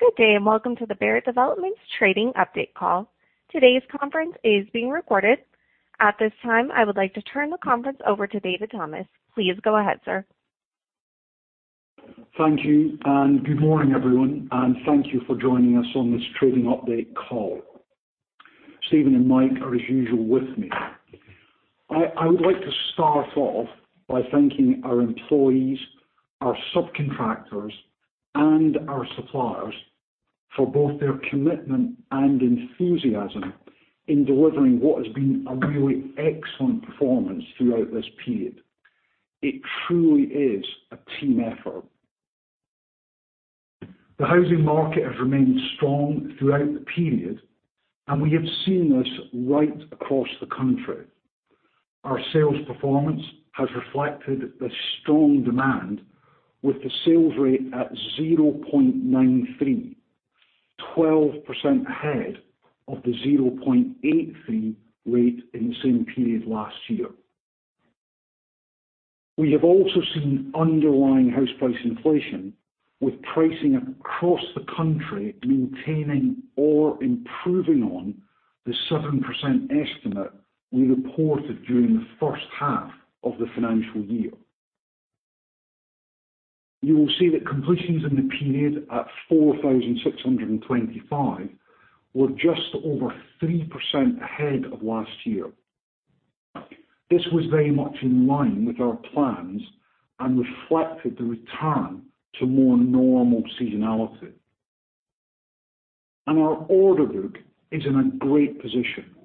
Good day, and welcome to the Barratt Redrow trading update call. Today's conference is being recorded. At this time, I would like to turn the conference over to David Thomas. Please go ahead, sir. Thank you, and good morning, everyone, and thank you for joining us on this trading update call. Steven and Mike are as usual with me. I would like to start off by thanking our employees, our subcontractors, and our suppliers for both their commitment and enthusiasm in delivering what has been a really excellent performance throughout this period. It truly is a team effort. The housing market has remained strong throughout the period, and we have seen this right across the country. Our sales performance has reflected the strong demand with the sales rate at 0.93, 12% ahead of the 0.83 rate in the same period last year. We have also seen underlying house price inflation with pricing across the country maintaining or improving on the 7% estimate we reported during the first half of the financial year. You will see that completions in the period at 4,625 were just over 3% ahead of last year. This was very much in line with our plans and reflected the return to more normal seasonality. Our order book is in a great position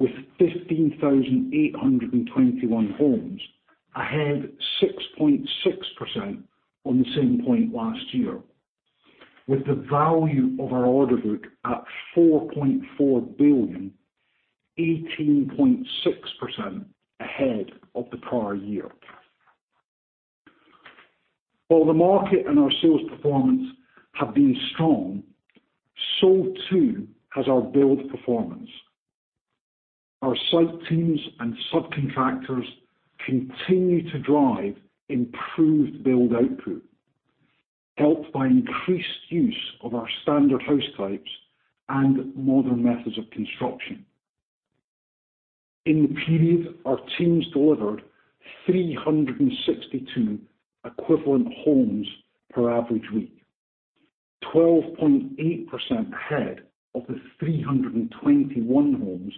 with 15,821 homes ahead 6.6% on the same point last year, with the value of our order book at £4.4 billion, 18.6% ahead of the prior year. While the market and our sales performance have been strong, so too has our build performance. Our site teams and subcontractors continue to drive improved build output, helped by increased use of our standard house types and modern methods of construction. In the period, our teams delivered 362 equivalent homes per average week, 12.8% ahead of the 321 homes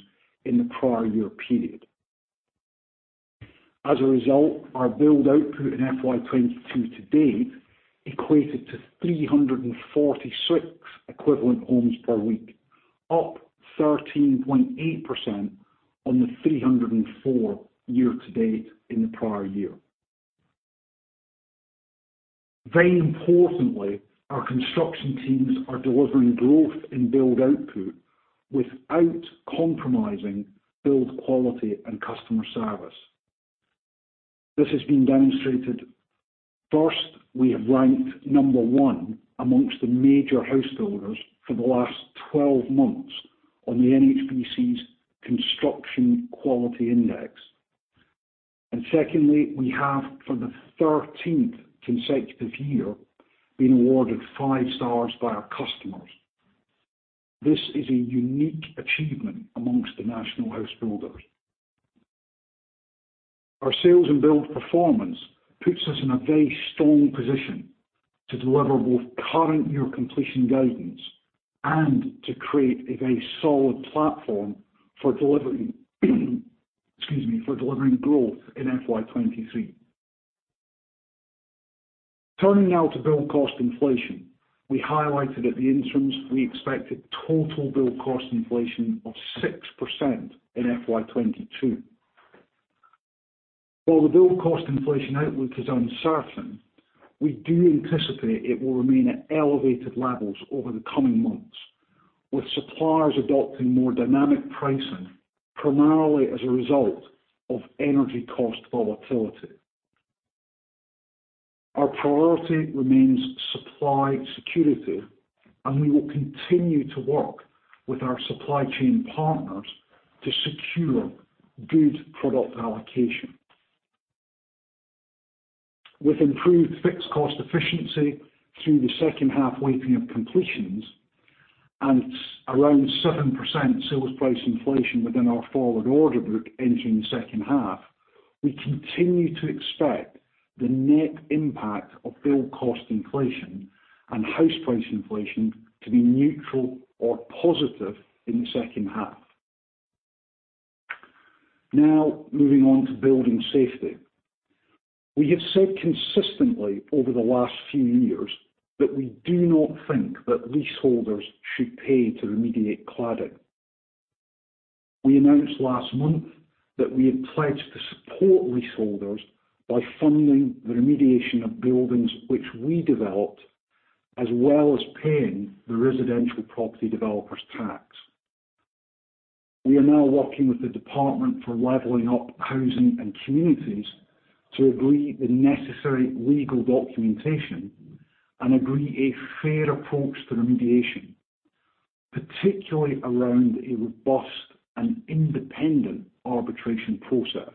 in the prior year period. As a result, our build output in FY2022 to date equated to 346 equivalent homes per week, up 13.8% on the 304 year to date in the prior year. Very importantly, our construction teams are delivering growth in build output without compromising build quality and customer service. This has been demonstrated. First, we have ranked number one amongst the major house builders for the last 12 months on the NHBC's Construction Quality Index. Secondly, we have, for the 13th consecutive year, been awarded five stars by our customers. This is a unique achievement amongst the national house builders. Our sales and build performance puts us in a very strong position to deliver both current year completion guidance and to create a very solid platform for delivering growth in FY2023. Turning now to build cost inflation. We highlighted at the interims, we expected total build cost inflation of 6% in FY2022. While the build cost inflation outlook is uncertain, we do anticipate it will remain at elevated levels over the coming months, with suppliers adopting more dynamic pricing primarily as a result of energy cost volatility. Our priority remains supply security, and we will continue to work with our supply chain partners to secure good product allocation. With improved fixed cost efficiency through the second half weighting of completions and around 7% sales price inflation within our forward order book entering the second half, we continue to expect the net impact of build cost inflation and house price inflation to be neutral or positive in the second half. Now, moving on to building safety. We have said consistently over the last few years that we do not think that leaseholders should pay to remediate cladding. We announced last month that we had pledged to support leaseholders by funding the remediation of buildings which we developed, as well as paying the Residential Property Developer Tax. We are now working with the Department for Levelling Up, Housing and Communities to agree the necessary legal documentation and agree a fair approach to remediation, particularly around a robust and independent arbitration process.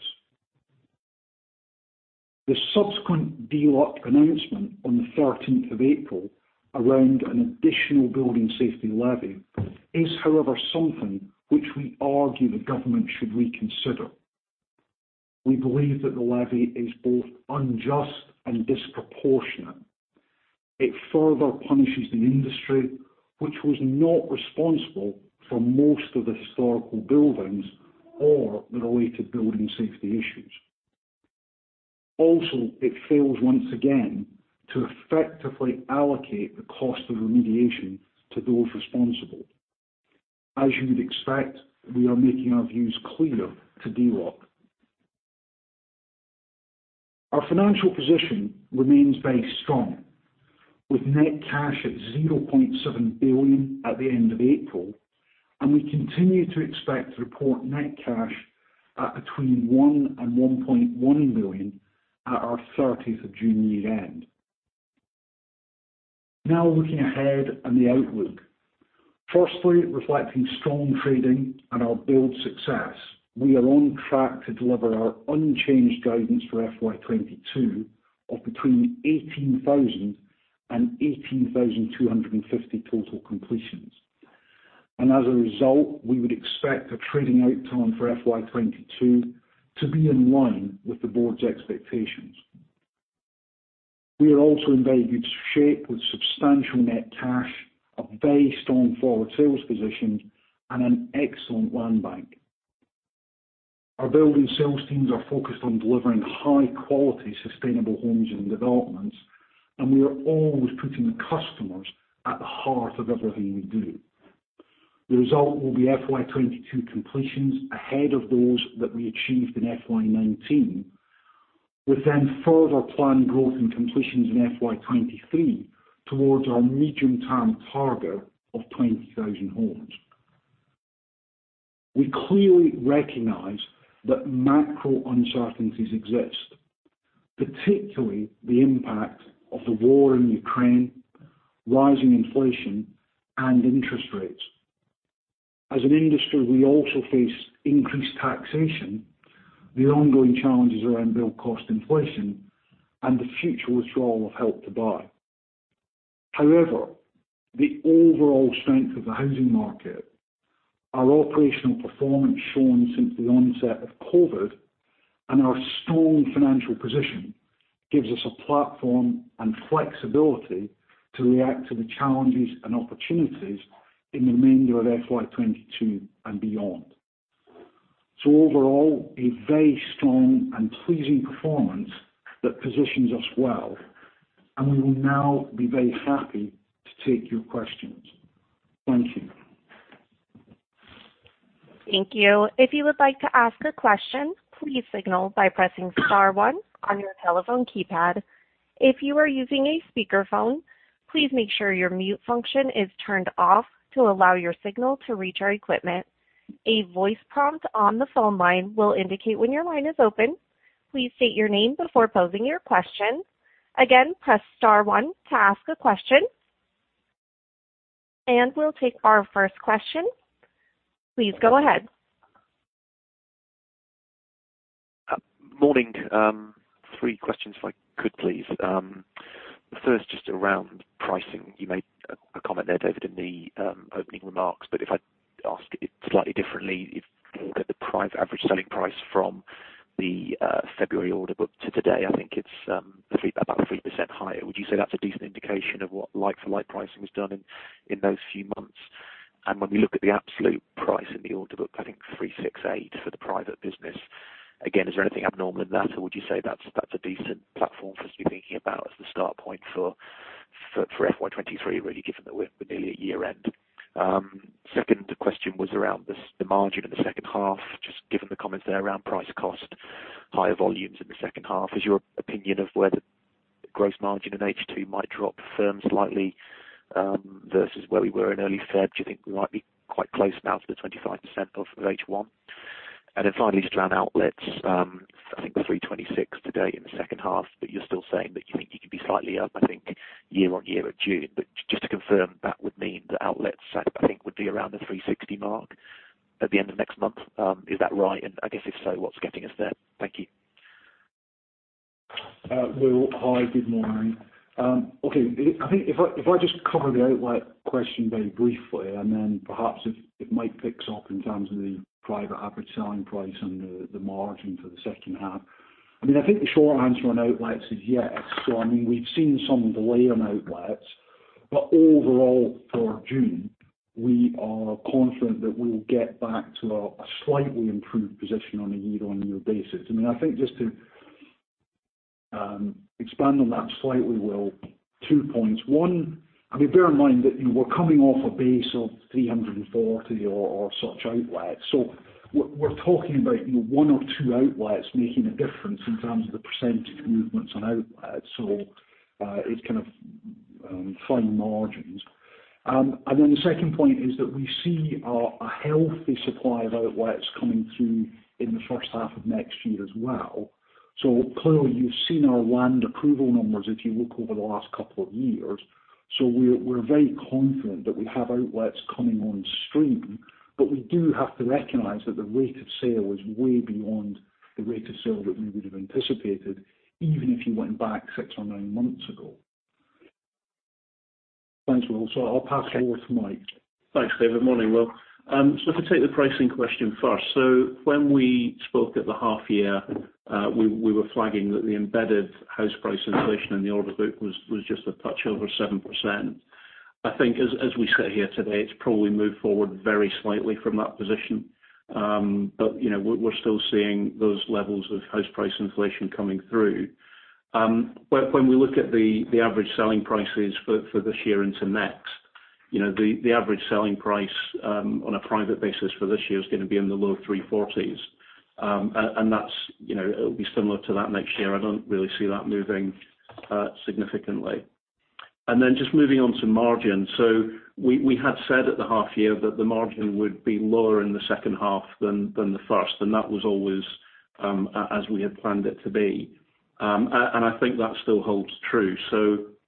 The subsequent DLUHC announcement on the thirteenth of April around an additional Building Safety Levy is, however, something which we argue the government should reconsider. We believe that the levy is both unjust and disproportionate. It further punishes the industry which was not responsible for most of the historical buildings or the related building safety issues. Also, it fails once again to effectively allocate the cost of remediation to those responsible. As you would expect, we are making our views clear to DLUHC. Our financial position remains very strong, with net cash at 0.7 billion at the end of April, and we continue to expect to report net cash at between 1 billion and 1.1 billion at our 30th of June year-end. Now looking ahead and the outlook. Firstly, reflecting strong trading and our build success, we are on track to deliver our unchanged guidance for FY2022 of between 18,000 and 18,250 total completions. As a result, we would expect the trading outturn for FY22 to be in line with the board's expectations. We are also in very good shape with substantial net cash, a very strong forward sales position, and an excellent land bank. Our building sales teams are focused on delivering high-quality sustainable homes and developments, and we are always putting the customers at the heart of everything we do. The result will be FY22 completions ahead of those that we achieved in FY19, with then further planned growth in completions in FY23 towards our medium term target of 20,000 homes. We clearly recognize that macro uncertainties exist, particularly the impact of the war in Ukraine, rising inflation, and interest rates. As an industry, we also face increased taxation, the ongoing challenges around build cost inflation, and the future withdrawal of Help to Buy. However, the overall strength of the housing market, our operational performance shown since the onset of COVID, and our strong financial position gives us a platform and flexibility to react to the challenges and opportunities in the remainder of FY22 and beyond. Overall, a very strong and pleasing performance that positions us well, and we will now be very happy to take your questions. Thank you. Thank you. If you would like to ask a question, please signal by pressing star one on your telephone keypad. If you are using a speakerphone, please make sure your mute function is turned off to allow your signal to reach our equipment. A voice prompt on the phone line will indicate when your line is open. Please state your name before posing your question. Again, press star one to ask a question. We'll take our first question. Please go ahead. Morning. Three questions if I could please. The first just around pricing. You made a comment there, David, in the opening remarks, but if I ask it slightly differently, if we look at the average selling price from the February order book to today, I think it's about 3% higher. Would you say that's a decent indication of what like-for-like pricing has done in those few months? When we look at the absolute price in the order book, I think 368 for the private business, again, is there anything abnormal in that, or would you say that's a decent platform for us to be thinking about as the start point for FY23, really, given that we're nearly at year-end? Second question was around the margin in the second half. Just given the comments there around price cost, higher volumes in the second half. Is your opinion of whether gross margin in H2 might drop from slightly versus where we were in early Feb? Do you think we might be quite close now to the 25% of H1? Then finally, just around outlets. I think 326 to date in the second half, but you're still saying that you think you could be slightly up, I think, year-on-year at June. Just to confirm, that would mean the outlets at, I think, would be around the 360 mark at the end of next month. Is that right? I guess if so, what's getting us there? Thank you. Will, hi. Good morning. Okay. I think if I just cover the outlet question very briefly, and then perhaps it might pick up in terms of the private average selling price and the margin for the second half. I mean, I think the short answer on outlets is yes. I mean, we've seen some delay on outlets, but overall for June, we are confident that we will get back to a slightly improved position on a year-on-year basis. I mean, I think just to expand on that slightly, Will, two points. One, I mean, bear in mind that, you know, we're coming off a base of 340 or such outlets. We're talking about, you know, one or two outlets making a difference in terms of the percentage movements on outlets. It's kind of fine margins. Then the second point is that we see a healthy supply of outlets coming through in the first half of next year as well. Clearly, you've seen our land approval numbers, if you look over the last couple of years. We're very confident that we have outlets coming on stream, but we do have to recognize that the rate of sale is way beyond the rate of sale that we would have anticipated, even if you went back six or nine months ago. Thanks, Will. I'll pass you over to Mike. Thanks, Dave. Good morning, Will. If I take the pricing question first. When we spoke at the half year, we were flagging that the embedded house price inflation in the order book was just a touch over 7%. I think as we sit here today, it's probably moved forward very slightly from that position. But, you know, we're still seeing those levels of house price inflation coming through. But when we look at the average selling prices for this year into next, you know, the average selling price on a private basis for this year is gonna be in the low GBP 340,000s. And that's, you know, it'll be similar to that next year. I don't really see that moving significantly. Then just moving on to margin. We had said at the half year that the margin would be lower in the second half than the first, and that was always as we had planned it to be. I think that still holds true.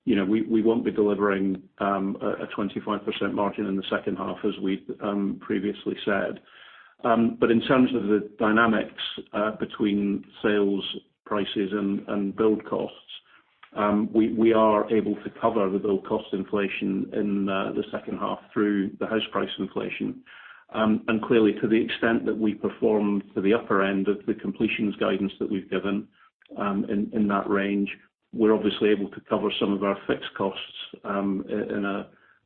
You know, we won't be delivering a 25% margin in the second half as we'd previously said. In terms of the dynamics between sales prices and build costs, we are able to cover the build cost inflation in the second half through the house price inflation. Clearly, to the extent that we perform to the upper end of the completions guidance that we've given in that range, we're obviously able to cover some of our fixed costs in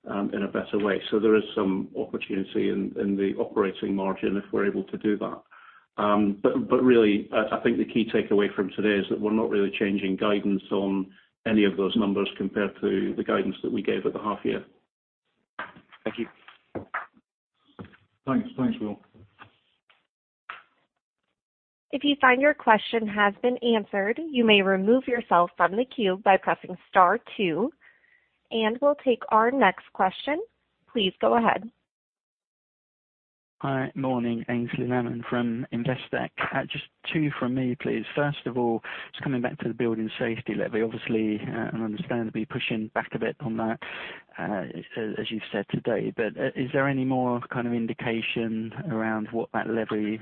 a better way. There is some opportunity in the operating margin if we're able to do that. Really, I think the key takeaway from today is that we're not really changing guidance on any of those numbers compared to the guidance that we gave at the half year. Thank you. Thanks. Thanks, Will. If you find your question has been answered, you may remove yourself from the queue by pressing star two, and we'll take our next question. Please go ahead. Hi. Morning. Aynsley Lammin from Investec. Just two from me, please. First of all, just coming back to the Building Safety Levy, obviously, and understandably pushing back a bit on that, as you've said today. Is there any more kind of indication around what that levy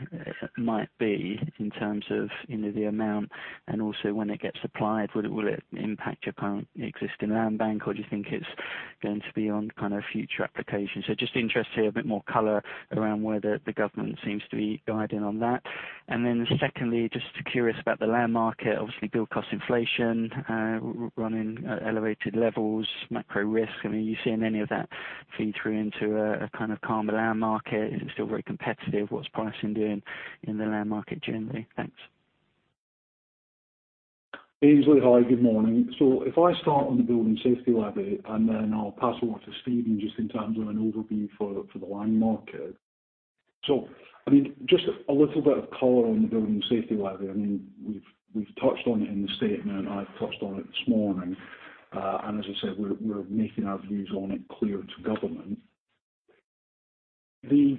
might be in terms of, you know, the amount and also when it gets applied? Will it impact your current existing land bank, or do you think it's going to be on kind of future applications? Just interested to hear a bit more color around where the government seems to be guiding on that. Secondly, just curious about the land market. Obviously, build cost inflation running at elevated levels, macro risk. I mean, are you seeing any of that feed through into a kind of calmer land market? Is it still very competitive? What's pricing doing in the land market generally? Thanks. Aynsley, hi. Good morning. If I start on the Building Safety Levy, and then I'll pass over to Steven just in terms of an overview for the land market. I mean, just a little bit of color on the Building Safety Levy. I mean, we've touched on it in the statement, I've touched on it this morning, and as I said, we're making our views on it clear to government. The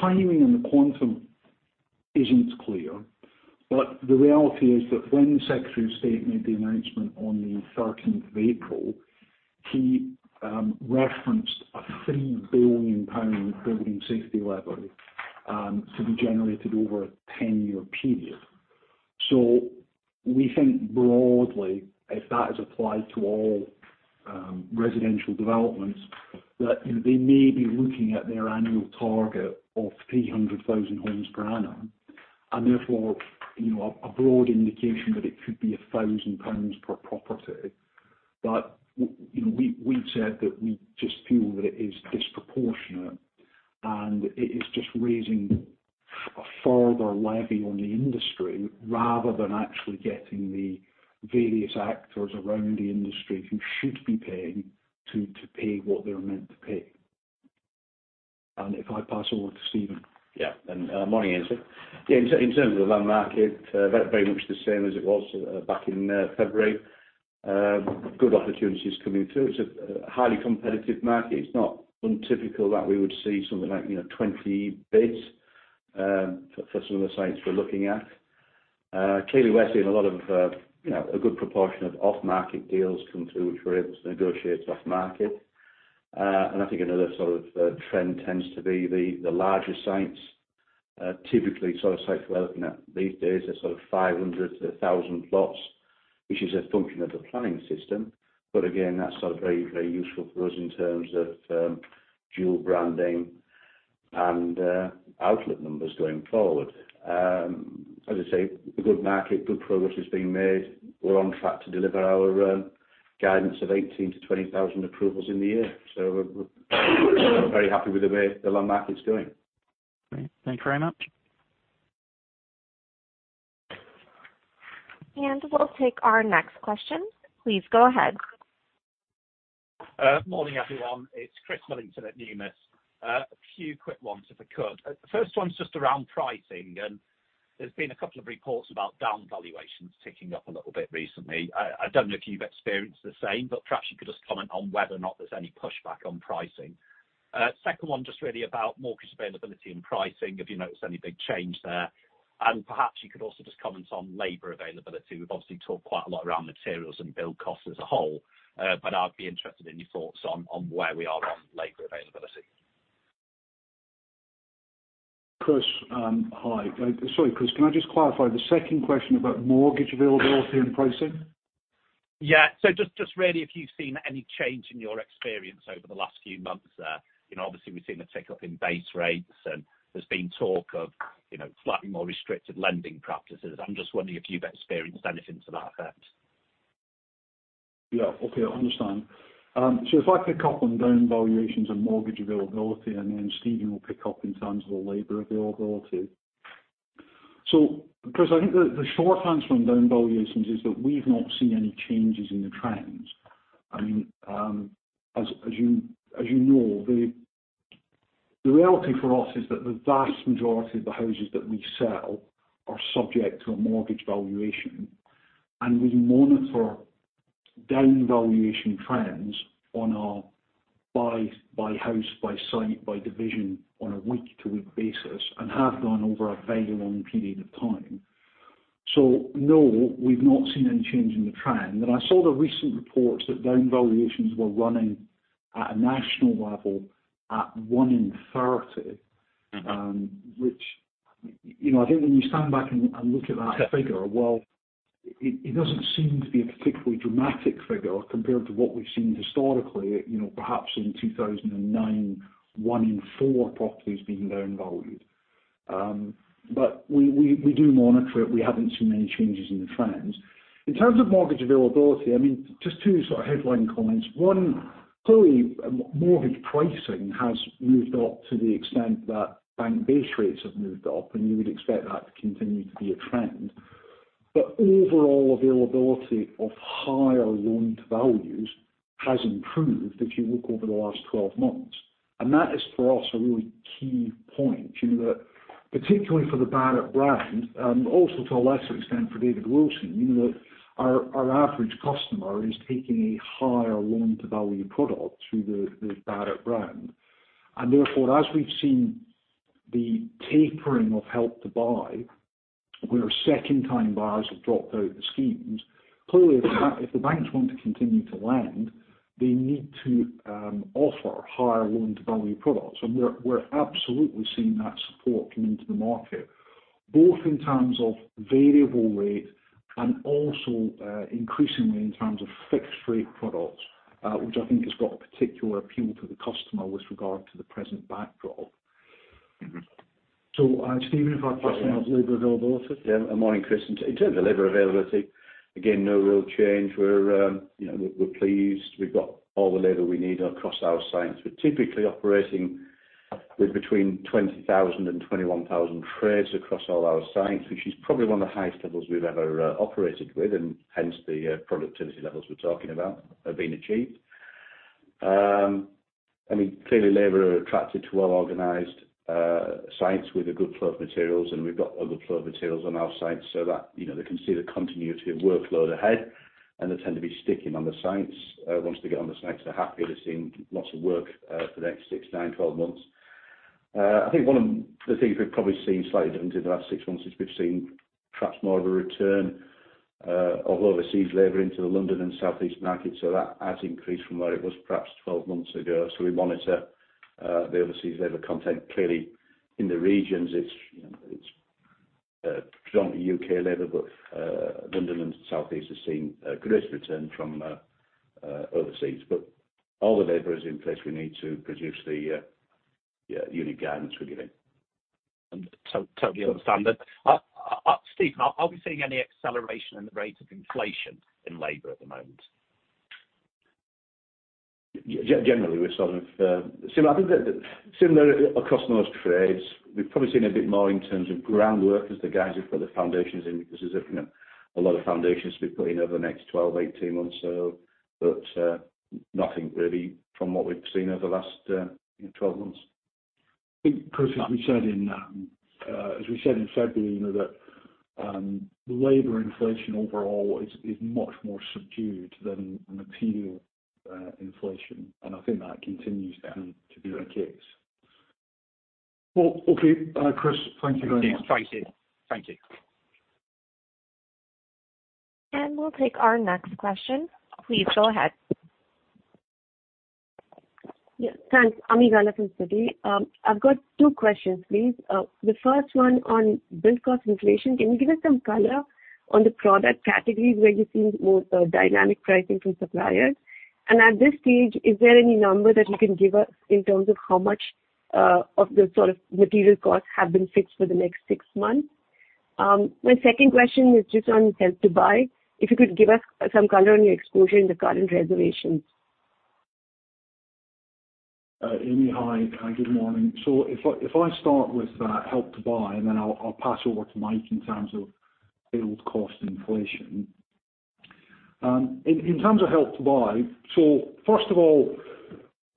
timing and the quantum isn't clear, but the reality is that when the Secretary of State made the announcement on the thirteenth of April, he referenced a 3 billion pound Building Safety Levy to be generated over a ten-year period. We think broadly, if that is applied to all, residential developments, that they may be looking at their annual target of 300,000 homes per annum, and therefore, you know, a broad indication that it could be 1,000 pounds per property. But, we've said that we just feel that it is disproportionate, and it is just raising a further levy on the industry rather than actually getting the various actors around the industry who should be paying to pay what they're meant to pay. If I pass over to Steven. Yeah, morning, Ainsley. Yeah, in terms of the land market, very much the same as it was back in February. Good opportunities coming through. It's a highly competitive market. It's not untypical that we would see something like, you know, 20 bids for some of the sites we're looking at. Clearly we're seeing a lot of, you know, a good proportion of off-market deals come through, which we're able to negotiate off market. I think another sort of trend tends to be the larger sites, typically sort of sites we're looking at these days are sort of 500-1,000 plots, which is a function of the planning system. Again, that's sort of very, very useful for us in terms of dual branding and outlet numbers going forward. As I say, a good market, good progress is being made. We're on track to deliver our guidance of 18,000-20,000 approvals in the year. We're very happy with the way the land market's doing. Great. Thank you very much. We'll take our next question. Please go ahead. Morning, everyone. It's Chris Millington at Numis. A few quick ones if I could. The first one's just around pricing, and there's been a couple of reports about down valuations ticking up a little bit recently. I don't know if you've experienced the same, but perhaps you could just comment on whether or not there's any pushback on pricing. Second one just really about mortgage availability and pricing, if you noticed any big change there. Perhaps you could also just comment on labor availability. We've obviously talked quite a lot around materials and build costs as a whole, but I'd be interested in your thoughts on where we are on labor availability. Chris, hi. Sorry, Chris, can I just clarify the second question about mortgage availability and pricing? Yeah. Just really if you've seen any change in your experience over the last few months? You know, obviously, we've seen a tick up in base rates, and there's been talk of, you know, slightly more restricted lending practices. I'm just wondering if you've experienced anything to that effect. Okay. I understand. If I pick up on down valuations and mortgage availability, and then Steven will pick up in terms of the labor availability. Chris, I think the short answer on down valuations is that we've not seen any changes in the trends. I mean, as you know, the reality for us is that the vast majority of the houses that we sell are subject to a mortgage valuation. We monitor down valuation trends on a by house, by site, by division on a week-to-week basis and have done over a very long period of time. No, we've not seen any change in the trend. I saw the recent reports that down valuations were running at a national level at one in thirty. Mm-hmm. You know, I think when you stand back and look at that figure, well, it doesn't seem to be a particularly dramatic figure compared to what we've seen historically, you know, perhaps in 2009, one in four properties being down valued. We do monitor it. We haven't seen any changes in the trends. In terms of mortgage availability, I mean, just two sort of headline comments. One, clearly, mortgage pricing has moved up to the extent that bank base rates have moved up, and you would expect that to continue to be a trend. Overall availability of higher loan to values has improved if you look over the last 12 months. That is for us, a really key point, you know. Particularly for the Barratt brand, also to a lesser extent for David Wilson. You know, our average customer is taking a higher loan to value product through the Barratt brand. Therefore, as we've seen the tapering of Help to Buy, where second-time buyers have dropped out of the schemes, clearly, if the banks want to continue to lend, they need to offer higher loan to value products. We're absolutely seeing that support come into the market, both in terms of variable rate and also increasingly in terms of fixed rate products, which I think has got a particular appeal to the customer with regard to the present backdrop. Mm-hmm. Steven, if I pass on to labor availability. Yeah. Good morning, Chris. In terms of labor availability, again, no real change. We're, you know, pleased. We've got all the labor we need across our sites. We're typically operating with between 20,000 and 21,000 trades across all our sites, which is probably one of the highest levels we've ever operated with, and hence the productivity levels we're talking about have been achieved. I mean, clearly, labor are attracted to well-organized sites with a good flow of materials, and we've got a good flow of materials on our sites so that, you know, they can see the continuity of workload ahead, and they tend to be sticking on the sites. Once they get on the sites, they're happy. They're seeing lots of work for the next 6, 9, 12 months. I think one of the things we've probably seen slightly different in the last six months is we've seen perhaps more of a return of overseas labor into the London and Southeast market. That has increased from where it was perhaps 12 months ago. We monitor the overseas labor content. Clearly, in the regions, it's, you know, predominantly UK labor, but London and Southeast have seen a greater return from overseas. All the labor is in place we need to produce the unit guidance we're giving. Totally understand that. Steven, are we seeing any acceleration in the rate of inflation in labor at the moment? Generally, we're sort of similar. I think that similar across most trades. We've probably seen a bit more in terms of ground workers, the guys who've put the foundations in because there's a lot of foundations to be put in over the next 12, 18 months so. Nothing really from what we've seen over the last 12 months. I think, Chris, as we said in February, you know, that labor inflation overall is much more subdued than material inflation. I think that continues then to be the case. Well, okay. Chris, thank you very much. Thank you. Thank you. We'll take our next question. Please go ahead. Yeah, thanks. Ami Galla from Citi. I've got two questions, please. The first one on build cost inflation. Can you give us some color on the product categories where you're seeing more dynamic pricing from suppliers? And at this stage, is there any number that you can give us in terms of how much of the sort of material costs have been fixed for the next six months? My second question is just on Help to Buy. If you could give us some color on your exposure in the current reservations? Ami, hi. Good morning. If I start with Help to Buy, and then I'll pass over to Mike in terms of build cost inflation. In terms of Help to Buy, first of all,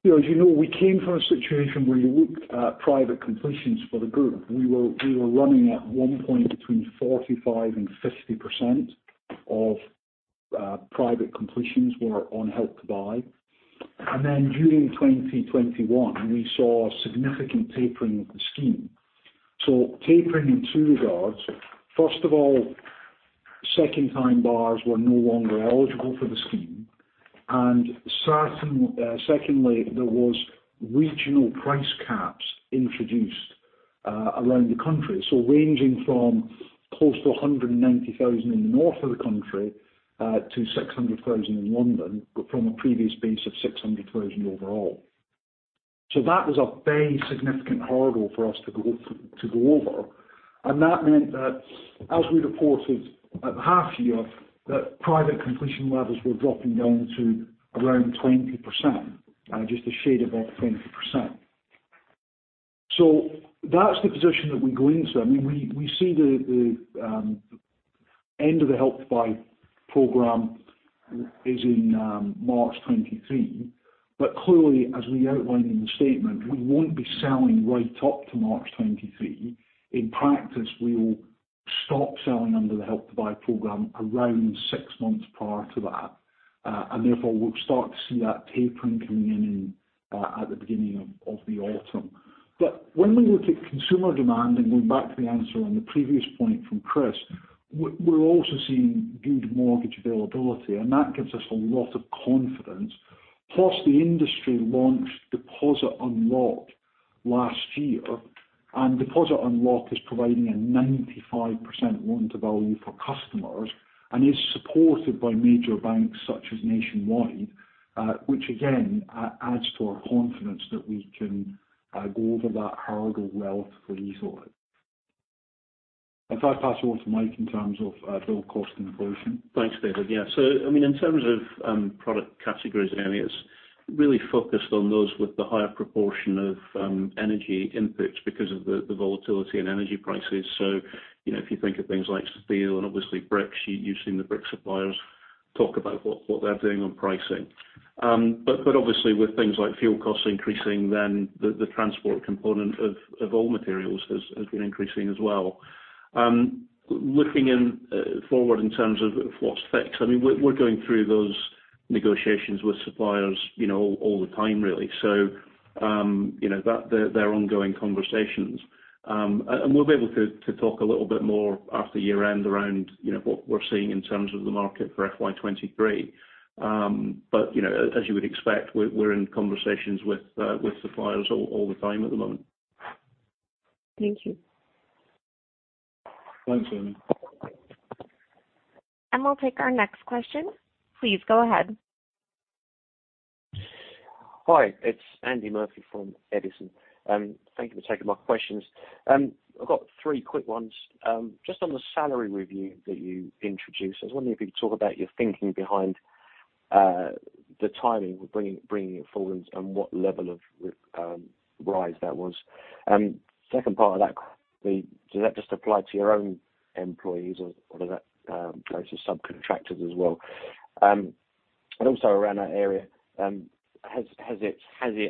you know, as you know, we came from a situation where you looked at private completions for the group. We were running at one point between 45% and 50% of private completions were on Help to Buy. And then during 2021, we saw a significant tapering of the scheme. Tapering in two regards. First of all, second-time buyers were no longer eligible for the scheme. And secondly, there was regional price caps introduced around the country. Ranging from close to 190,000 in the north of the country to 600,000 in London, but from a previous base of 600,000 overall. That was a very significant hurdle for us to go over. That meant that as we reported at the half year, that private completion levels were dropping down to around 20%, just a shade above 20%. That's the position that we go into. I mean, we see the end of the Help to Buy program is in March 2023. Clearly, as we outlined in the statement, we won't be selling right up to March 2023. In practice, we will stop selling under the Help to Buy program around six months prior to that. Therefore, we'll start to see that tapering coming in at the beginning of the autumn. When we look at consumer demand, and going back to the answer on the previous point from Chris, we're also seeing good mortgage availability, and that gives us a lot of confidence. Plus, the industry launched Deposit Unlock last year, and Deposit Unlock is providing a 95% loan-to-value for customers and is supported by major banks such as Nationwide, which again adds to our confidence that we can go over that hurdle well for easily. If I pass over to Mike in terms of build cost inflation. Thanks, David. Yeah, I mean, in terms of product categories, I mean, it's really focused on those with the higher proportion of energy input because of the volatility in energy prices. You know, if you think of things like steel and obviously brick, you've seen the brick suppliers talk about what they're doing on pricing. Obviously with things like fuel costs increasing, then the transport component of all materials has been increasing as well. Looking forward in terms of what's fixed, I mean, we're going through those negotiations with suppliers, you know, all the time really. You know, they're ongoing conversations. We'll be able to talk a little bit more after year-end around, you know, what we're seeing in terms of the market for FY 2023. You know, as you would expect, we're in conversations with suppliers all the time at the moment. Thank you. Thanks, Ami. We'll take our next question. Please go ahead. Hi, it's Andy Murphy from Edison. Thank you for taking my questions. I've got three quick ones. Just on the salary review that you introduced, I was wondering if you could talk about your thinking behind the timing of bringing it forward and what level of rise that was. Second part of that, does that just apply to your own employees or does that go to subcontractors as well? And also around that area, has it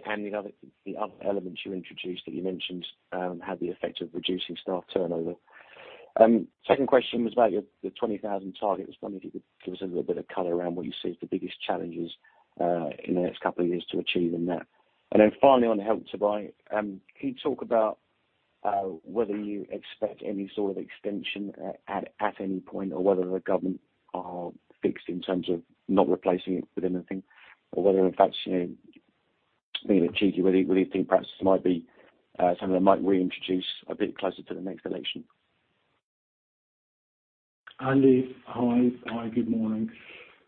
any other, the other elements you introduced that you mentioned had the effect of reducing staff turnover? Second question was about the 20,000 target. I was wondering if you could give us a little bit of color around what you see as the biggest challenges in the next couple of years to achieving that. Then finally, on Help to Buy, can you talk about whether you expect any sort of extension at any point or whether the government are fixed in terms of not replacing it with anything or whether in fact, you know, being a cheeky, whether you think perhaps this might be something that might reintroduce a bit closer to the next election? Andy, hi. Hi, good morning.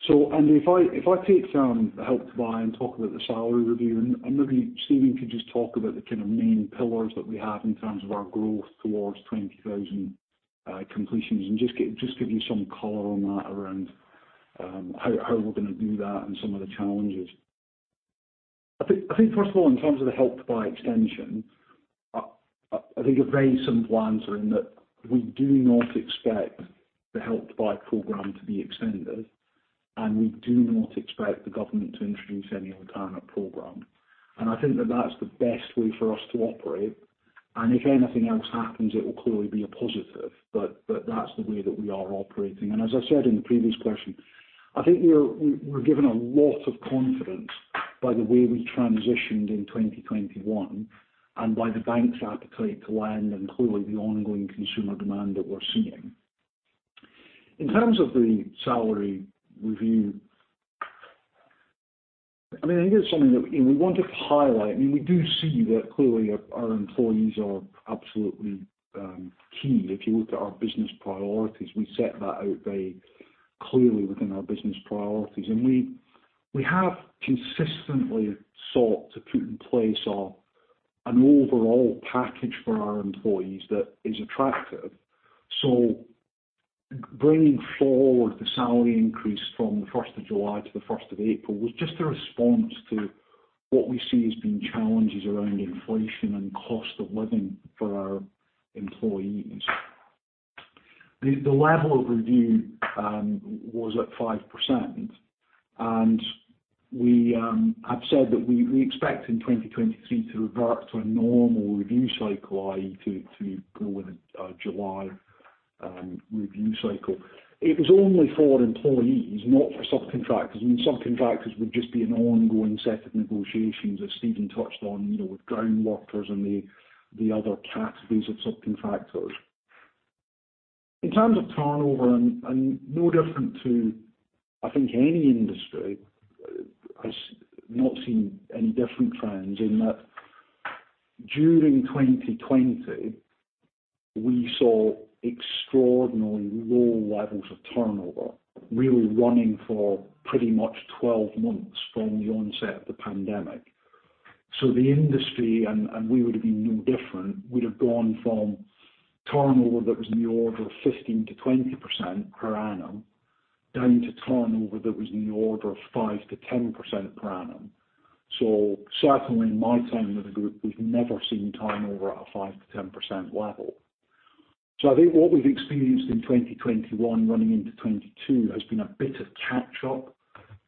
Andy, if I take the Help to Buy and talk about the salary review, and maybe Steven can just talk about the kind of main pillars that we have in terms of our growth towards 20,000 completions and just give you some color on that around how we're gonna do that and some of the challenges. I think first of all, in terms of the Help to Buy extension, I think a very simple answer in that we do not expect the Help to Buy program to be extended, and we do not expect the government to introduce any alternative program. I think that that's the best way for us to operate. If anything else happens, it will clearly be a positive, but that's the way that we are operating. As I said in the previous question, I think we're given a lot of confidence by the way we transitioned in 2021 and by the banks' appetite to lend and clearly the ongoing consumer demand that we're seeing. In terms of the salary review, I mean, I think it's something that, you know, we want to highlight. I mean, we do see that clearly our employees are absolutely key. If you look at our business priorities, we set that out very clearly within our business priorities. We have consistently sought to put in place an overall package for our employees that is attractive. Bringing forward the salary increase from the first of July to the first of April was just a response to what we see as being challenges around inflation and cost of living for our employees. The level of review was at 5%. We have said that we expect in 2023 to revert to a normal review cycle, i.e., to go with a July review cycle. It was only for employees, not for subcontractors. I mean, subcontractors would just be an ongoing set of negotiations as Steven touched on, you know, with ground workers and the other categories of subcontractors. In terms of turnover and no different to, I think any industry has not seen any different trends in that during 2020, we saw extraordinarily low levels of turnover, really running for pretty much 12 months from the onset of the pandemic. The industry and we would have been no different, would have gone from turnover that was in the order of 15%-20% per annum down to turnover that was in the order of 5%-10% per annum. Certainly in my time with the group, we've never seen turnover at a 5%-10% level. I think what we've experienced in 2021 running into 2022 has been a bit of catch up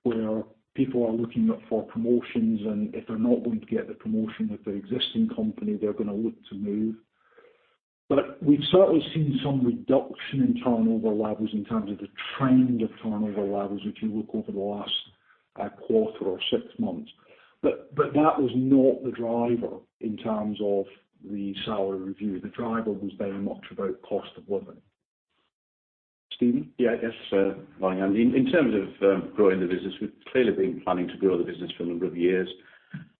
where people are looking up for promotions, and if they're not going to get the promotion with their existing company, they're going to look to move. But we've certainly seen some reduction in turnover levels in terms of the trend of turnover levels, if you look over the last quarter or six months. But that was not the driver in terms of the salary review. The driver was very much about cost of living. Steven? Yeah, yes, Ryan. In terms of growing the business, we've clearly been planning to grow the business for a number of years.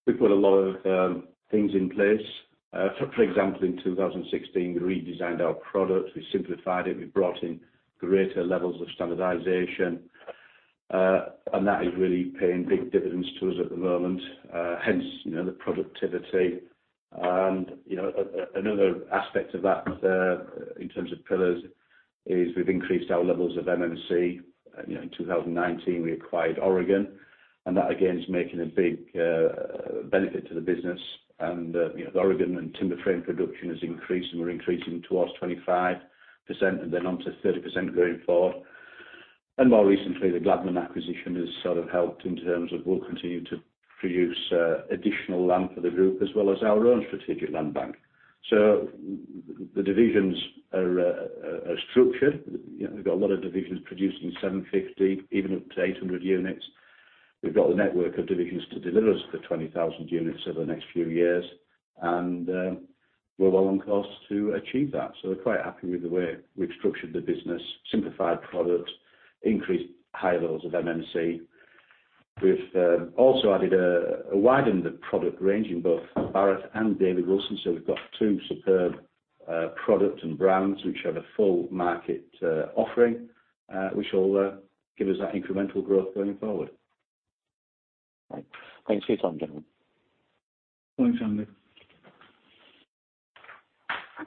We've put a lot of things in place. For example, in 2016, we redesigned our product, we simplified it, we brought in greater levels of standardization, and that is really paying big dividends to us at the moment, hence, you know, the productivity. You know, another aspect of that, in terms of pillars is we've increased our levels of MMC. You know, in 2019, we acquired Oregon, and that again is making a big benefit to the business. You know, the Oregon and timber frame production has increased, and we're increasing towards 25% and then on to 30% going forward. More recently, the Gladman acquisition has sort of helped in terms of we'll continue to produce additional land for the group as well as our own strategic land bank. The divisions are structured. You know, we've got a lot of divisions producing 750, even up to 800 units. We've got the network of divisions to deliver us the 20,000 units over the next few years, and we're well on course to achieve that. We're quite happy with the way we've structured the business, simplified product, increased high levels of MMC. We've also widened the product range in both Barratt and David Wilson. We've got two superb product and brands which have a full market offering, which will give us that incremental growth going forward. Right. Thanks for your time, gentlemen. Thanks, Andy.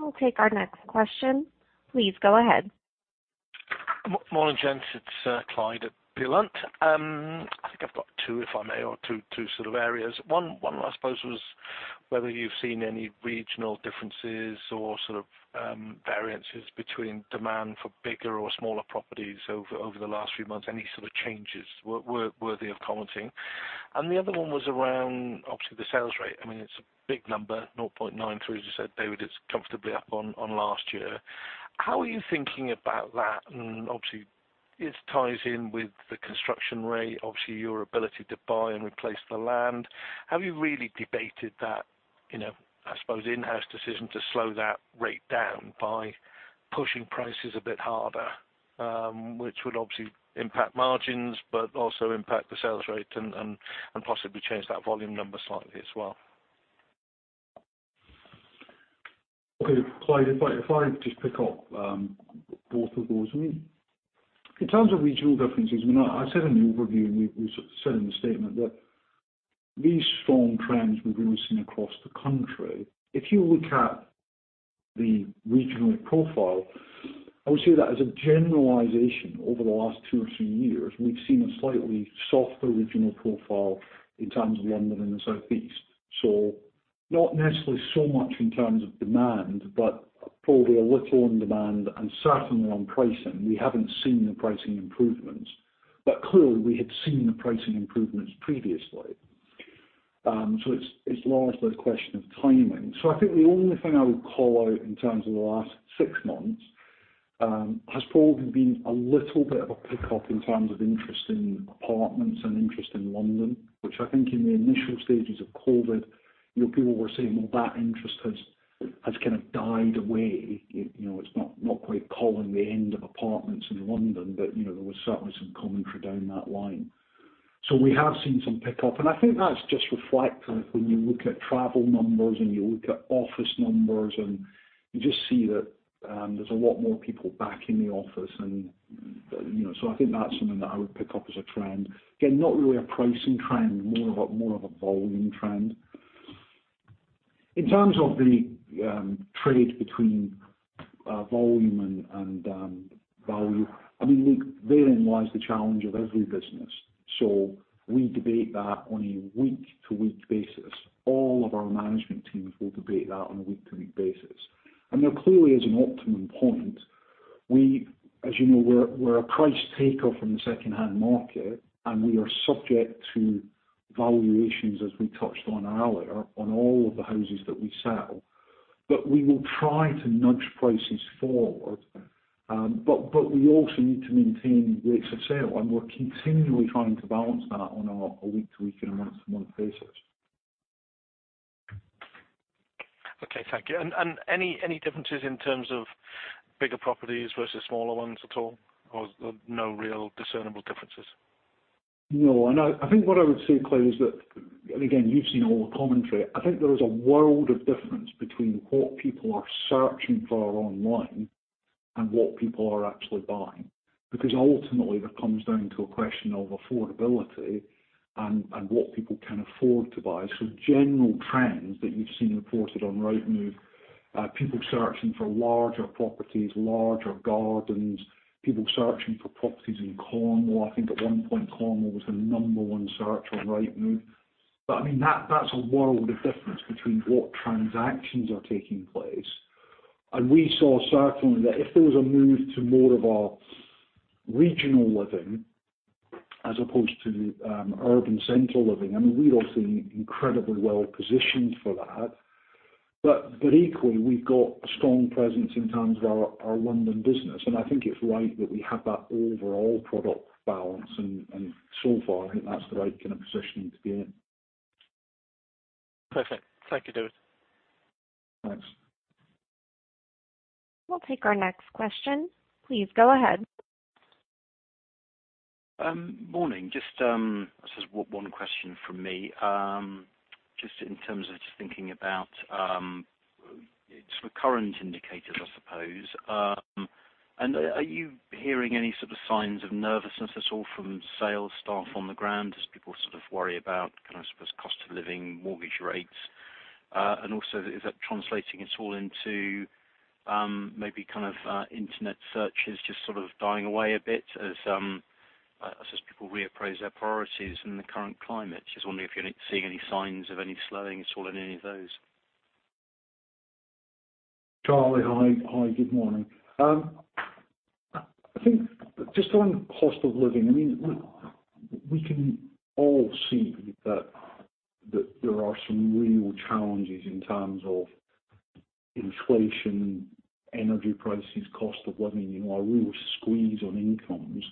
I'll take our next question. Please go ahead. Morning, gents. It's Clyde at Peel Hunt. I think I've got two, if I may, or two sort of areas. One I suppose was whether you've seen any regional differences or sort of variances between demand for bigger or smaller properties over the last few months, any sort of changes worthy of commenting. The other one was around obviously the sales rate. I mean, it's a big number, 0.93. As you said, David, it's comfortably up on last year. How are you thinking about that? Obviously, it ties in with the construction rate, obviously your ability to buy and replace the land. Have you really debated that, you know, I suppose, in-house decision to slow that rate down by pushing prices a bit harder, which would obviously impact margins, but also impact the sales rate and possibly change that volume number slightly as well? Okay. Clyde, if I just pick up both of those. I mean, in terms of regional differences, I mean, I said in the overview, and we said in the statement that these strong trends we've been seeing across the country, if you look at the regional profile, I would say that as a generalization over the last two or three years, we've seen a slightly softer regional profile in terms of London and the Southeast. Not necessarily so much in terms of demand, but probably a little on demand and certainly on pricing. We haven't seen the pricing improvements, but clearly, we had seen the pricing improvements previously. It's largely a question of timing. I think the only thing I would call out in terms of the last six months has probably been a little bit of a pickup in terms of interest in apartments and interest in London, which I think in the initial stages of COVID, you know, people were saying, well, that interest has kind of died away. You know, it's not quite calling the end of apartments in London, but, you know, there was certainly some commentary down that line. We have seen some pickup, and I think that's just reflective when you look at travel numbers and you look at office numbers, and you just see that, there's a lot more people back in the office and, you know. I think that's something that I would pick up as a trend. Again, not really a pricing trend, more of a volume trend. In terms of the trade between volume and value, I mean, therein lies the challenge of every business. We debate that on a week-to-week basis. All of our management teams will debate that on a week-to-week basis. There clearly is an optimum point. We, as you know, we're a price taker from the secondhand market, and we are subject to valuations as we touched on earlier, on all of the houses that we sell. We will try to nudge prices forward. We also need to maintain rates of sale, and we're continually trying to balance that on a week-to-week and a month-to-month basis. Okay, thank you. Any differences in terms of bigger properties versus smaller ones at all? Or no real discernible differences? No. I think what I would say, Clyde, is that. Again, you've seen all the commentary. I think there is a world of difference between what people are searching for online and what people are actually buying. Because ultimately, that comes down to a question of affordability and what people can afford to buy. General trends that you've seen reported on Rightmove, people searching for larger properties, larger gardens, people searching for properties in Cornwall. I think at one point, Cornwall was the number one search on Rightmove. I mean, that's a world of difference between what transactions are taking place. We saw certainly that if there was a move to more of a regional living as opposed to urban center living. I mean, we're obviously incredibly well positioned for that. Equally, we've got a strong presence in terms of our London business, and I think it's right that we have that overall product balance. So far, I think that's the right kind of positioning to be in. Perfect. Thank you, David. Thanks. We'll take our next question. Please go ahead. Morning. Just, this is one question from me. Just in terms of thinking about sort of current indicators I suppose. Are you hearing any sort of signs of nervousness at all from sales staff on the ground as people sort of worry about kind of I suppose cost of living, mortgage rates? Also is that translating at all into maybe kind of internet searches just sort of dying away a bit as I suppose people reappraise their priorities in the current climate? Just wondering if you're seeing any signs of any slowing at all in any of those. Charlie, hi. Hi, good morning. I think just on cost of living, I mean, we can all see that there are some real challenges in terms of inflation, energy prices, cost of living. You know, a real squeeze on incomes.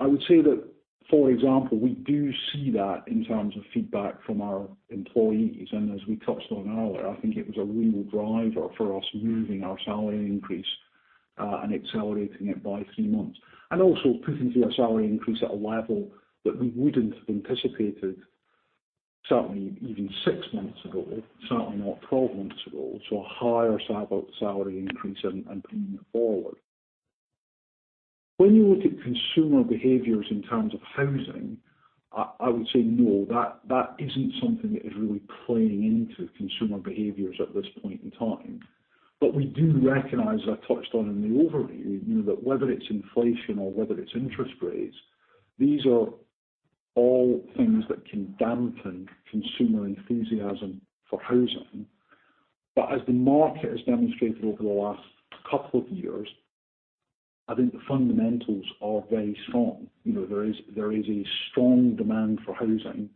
I would say that, for example, we do see that in terms of feedback from our employees. As we touched on earlier, I think it was a real driver for us moving our salary increase and accelerating it by three months. Also putting through a salary increase at a level that we wouldn't have anticipated certainly even six months ago, certainly not 12 months ago. A higher salary increase and bringing it forward. When you look at consumer behaviors in terms of housing, I would say no. That isn't something that is really playing into consumer behaviors at this point in time. We do recognize, as I touched on in the overview, you know, that whether it's inflation or whether it's interest rates, these are all things that can dampen consumer enthusiasm for housing. As the market has demonstrated over the last couple of years, I think the fundamentals are very strong. You know, there is a strong demand for housing,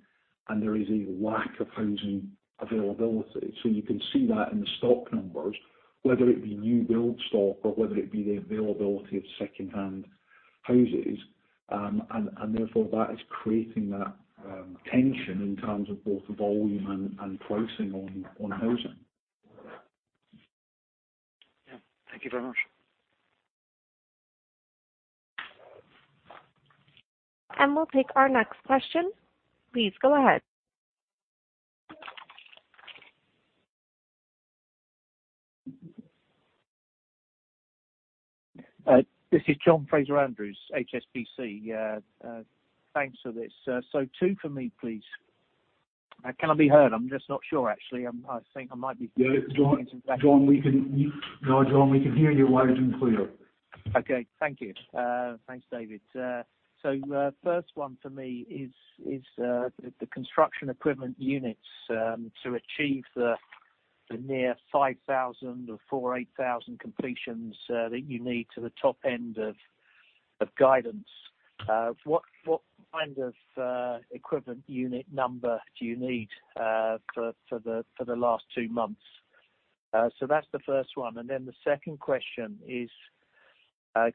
and there is a lack of housing availability. You can see that in the stock numbers, whether it be new build stock or whether it be the availability of secondhand houses. And therefore, that is creating that tension in terms of both volume and pricing on housing. Yeah. Thank you very much. We'll take our next question. Please go ahead. This is John Fraser-Andrews, HSBC. Thanks for this. Two for me, please. Can I be heard? I'm just not sure actually. I think I might be- Yeah, John. No, John, we can hear you loud and clear. Okay. Thank you. Thanks, David. First one for me is the construction equivalent units to achieve the near 5,000 or 4,800 completions that you need to the top end of guidance. What kind of equivalent unit number do you need for the last two months? That's the first one. The second question is,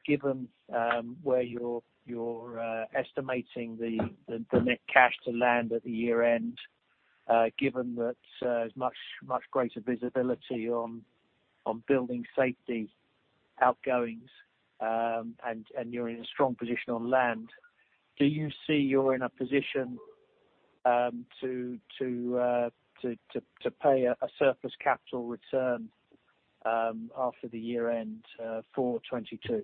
given where you are estimating the net cash to land at the year end, given that there's much greater visibility on building safety outgoings, and you are in a strong position on land, do you see you are in a position to pay a surplus capital return after the year end for 2022?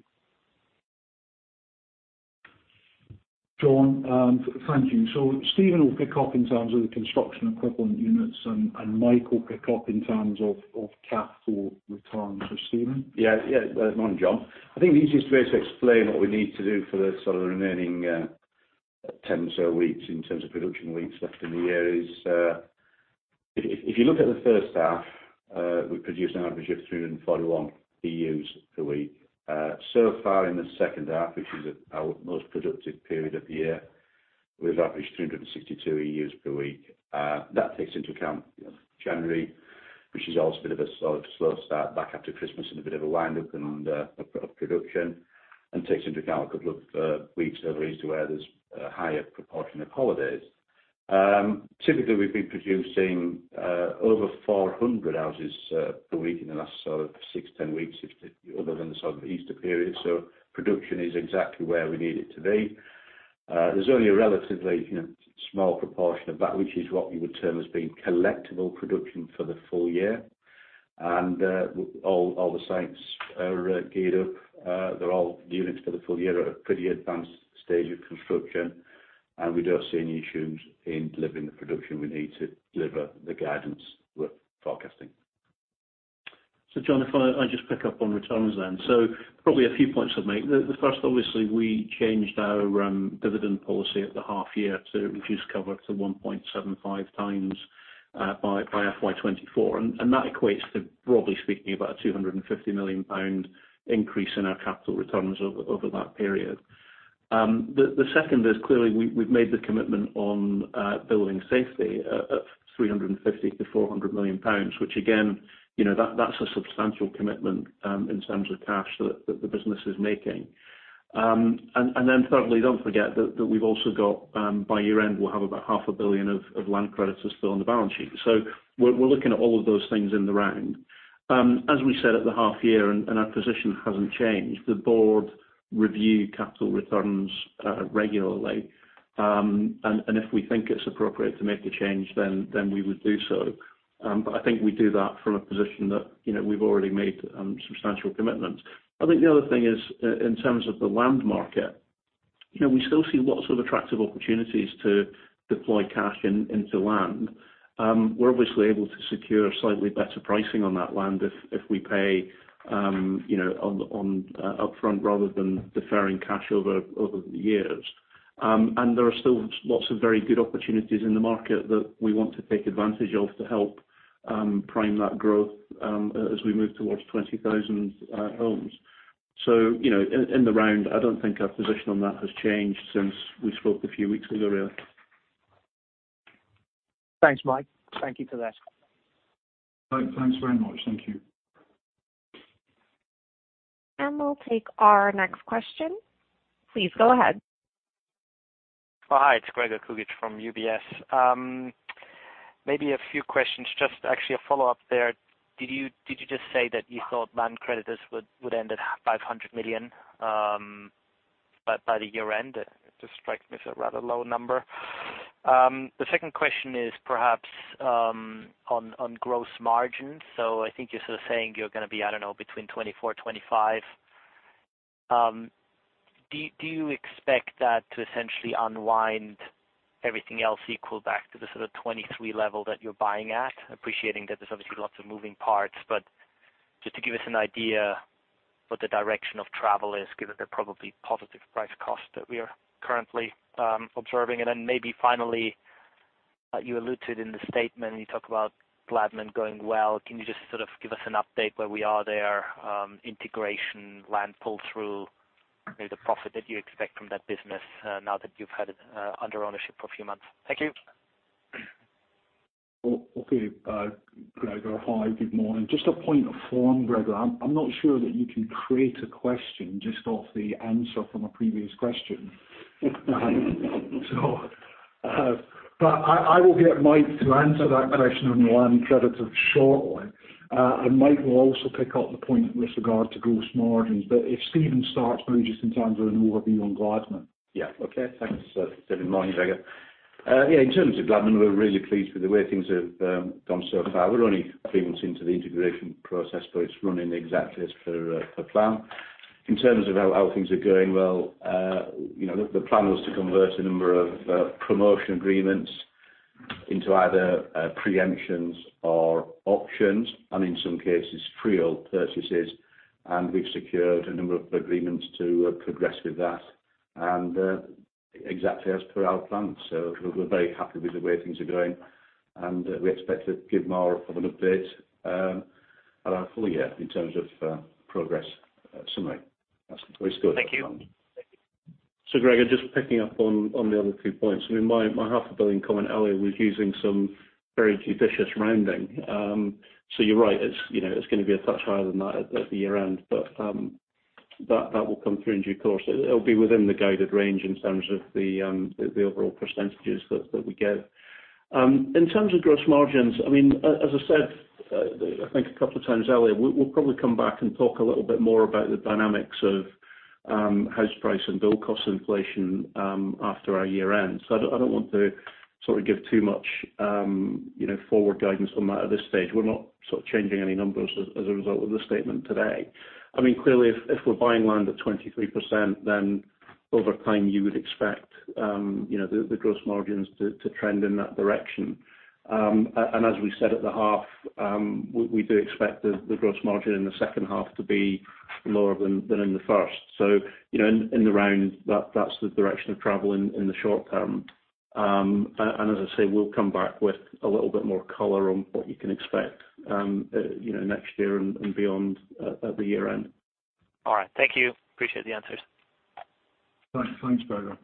John, thank you. Steven will pick up in terms of the construction equivalent units, and Mike will pick up in terms of capital returns. Steven? Morning, John. I think the easiest way to explain what we need to do for the sort of remaining ten or so weeks in terms of production weeks left in the year is. If you look at the first half, we produced an average of 341 EUs per week. So far in the second half, which is our most productive period of the year, we've averaged 362 EUs per week. That takes into account, you know, January, which is always a bit of a sort of slow start back after Christmas and a bit of a wind up of production, and takes into account a couple of weeks over Easter where there's a higher proportion of holidays. Typically, we've been producing over 400 houses per week in the last sort of 6-10 weeks, other than the sort of Easter period. Production is exactly where we need it to be. There's only a relatively, you know, small proportion of that, which is what you would term as being collectible production for the full year. All the sites are geared up. They're all units for the full year at a pretty advanced stage of construction, and we don't see any issues in delivering the production we need to deliver the guidance we're forecasting. John, if I just pick up on returns then. Probably a few points I'd make. The first, obviously, we changed our dividend policy at the half year to reduce cover to 1.75 times by FY 2024. That equates to, broadly speaking, about 250 million pound increase in our capital returns over that period. The second is clearly we've made the commitment on building safety at 350 million-400 million pounds, which again, you know, that's a substantial commitment in terms of cash that the business is making. Then thirdly, don't forget that we've also got by year-end, we'll have about GBP half a billion of Land Creditors still on the balance sheet. We're looking at all of those things in the round. As we said at the half year, and our position hasn't changed, the board review capital returns regularly. If we think it's appropriate to make a change, then we would do so. I think we do that from a position that, you know, we've already made substantial commitments. I think the other thing is in terms of the land market, you know, we still see lots of attractive opportunities to deploy cash into land. We're obviously able to secure slightly better pricing on that land if we pay, you know, on upfront rather than deferring cash over the years. There are still lots of very good opportunities in the market that we want to take advantage of to help prime that growth as we move towards 20,000 homes. You know, in the round, I don't think our position on that has changed since we spoke a few weeks ago, Rio. Thanks, Mike. Thank you for that. Thanks very much. Thank you. We'll take our next question. Please go ahead. It's Gregor Kuglitsch from UBS. Maybe a few questions. Just actually a follow-up there. Did you just say that you thought Land Creditors would end at 500 million by the year-end? It just strikes me as a rather low number. The second question is perhaps on gross margins. So I think you're sort of saying you're gonna be, I don't know, between 24%-25%. Do you expect that to essentially unwind everything else equal back to the sort of 23% level that you're buying at? Appreciating that there's obviously lots of moving parts, but just to give us an idea what the direction of travel is given the probably positive price cost that we are currently observing. Then maybe finally, you alluded in the statement, you talked about Gladman going well. Can you just sort of give us an update where we are there, integration, land pull through, maybe the profit that you expect from that business, now that you've had it, under ownership for a few months? Thank you. Okay. Gregor, hi, good morning. Just a point of form, Gregor. I'm not sure that you can create a question just off the answer from a previous question. I will get Mike to answer that question on the land creditors shortly. Mike will also pick up the point with regard to gross margins. If Steven starts maybe just in terms of an overview on Gladman. Yeah. Okay. Thanks. Good morning, Gregor. Yeah, in terms of Gladman, we're really pleased with the way things have gone so far. We're only three months into the integration process, but it's running exactly as per plan. In terms of how things are going, well, you know, the plan was to convert a number of promotion agreements into either preemptions or options and in some cases, freehold purchases, and we've secured a number of agreements to progress with that and exactly as per our plans. We're very happy with the way things are going, and we expect to give more of an update at our full year in terms of progress summary. That's always good. Thank you. Gregor, just picking up on the other two points. I mean, my half a billion comment earlier was using some very judicious rounding. You're right. It's gonna be a touch higher than that at the year-end, but that will come through in due course. It'll be within the guided range in terms of the overall percentages that we give. In terms of gross margins, I mean, as I said, I think a couple of times earlier, we'll probably come back and talk a little bit more about the dynamics of house price and build cost inflation after our year-end. I don't want to sort of give too much you know forward guidance on that at this stage. We're not sort of changing any numbers as a result of the statement today. I mean, clearly, if we're buying land at 23%, then over time you would expect, you know, the gross margins to trend in that direction. As we said at the half, we do expect the gross margin in the second half to be lower than in the first. You know, in the round, that's the direction of travel in the short term. As I say, we'll come back with a little bit more color on what you can expect, you know, next year and beyond at the year-end. All right. Thank you. Appreciate the answers. Thanks. Thanks, Gregor.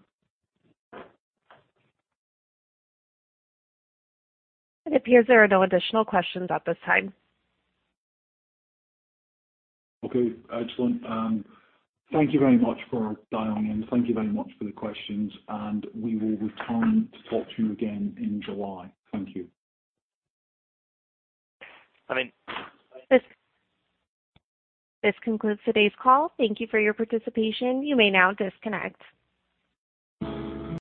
It appears there are no additional questions at this time. Okay, excellent. Thank you very much for dialing in. Thank you very much for the questions, and we will return to talk to you again in July. Thank you. I mean- This concludes today's call. Thank you for your participation. You may now disconnect.